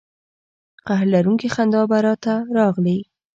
قهر لرونکې خندا به را ته راغلې.